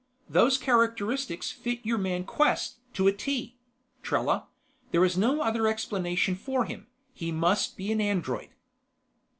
"Those characteristics fit your man Quest to a T, Trella. There is no other explanation for him: he must be an android."